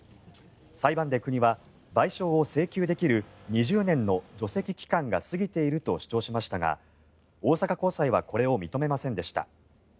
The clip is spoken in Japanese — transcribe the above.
裁判で国は賠償を請求できる２０年の除斥期間が過ぎていると主張しましたが大阪高裁はこれを認めませんでした。